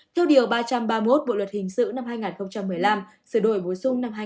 theo điều ba trăm ba mươi một bộ luật hình sự năm hai nghìn một mươi năm sửa đổi bổ sung năm hai nghìn một mươi